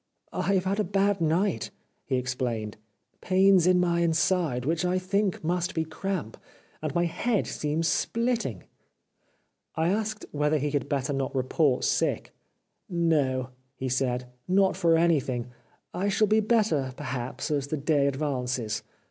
" I have had a bad night," he ex plained. '' Pains in my inside, which I think must be cramp, and my head seems sphtting." I asked whether he had better not report sick. *' No," he said; ''not for anything; I shall be better, perhaps, as the day advances.